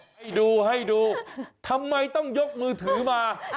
ให้ดูให้ดูทำไมต้องยกมือถือมา